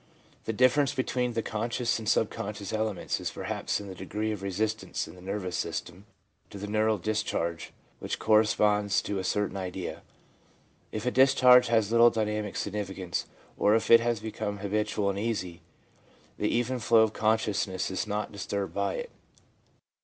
The difference between the conscious and sub conscious elements is perhaps in the degree of resistance in the nervous system to the neural discharge which corresponds to a certain idea. If a dis charge has little dynamic significance, or if it has become habitual and easy, the even flow of consciousness is not disturbed by it.